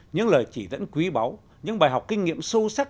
những lời chỉ dẫn quý báu những bài học kinh nghiệm sâu sắc